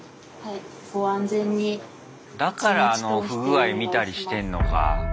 だからあの不具合見たりしてんのか。